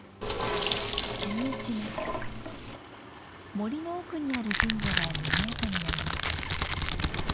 森の奥にある神社がにぎやかになります。